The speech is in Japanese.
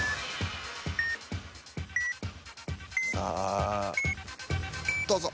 さあどうぞ。